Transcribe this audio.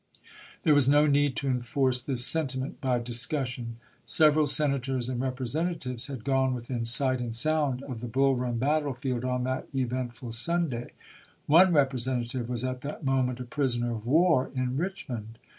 There was no need to enforce this sentiment by discussion. Several Senators and Eepresentatives had gone within sight and sound of the Bull Eun battlefield on that eventful Sunday ; one Eepre sentative was at that moment a prisoner of war in Eichmond.